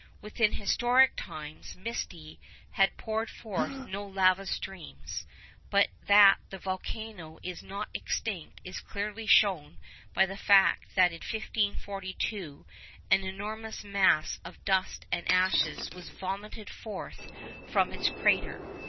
Within historic times Misti has poured forth no lava streams; but that the volcano is not extinct is clearly shown by the fact that in 1542 an enormous mass of dust and ashes was vomited forth from its crater.